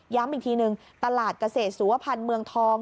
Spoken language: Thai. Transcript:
อีกทีหนึ่งตลาดเกษตรสุวพันธ์เมืองทอง